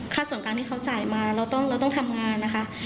ส่วนกลางที่เขาจ่ายมาเราต้องทำงานนะคะ